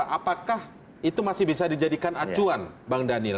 apakah itu masih bisa dijadikan acuan bang daniel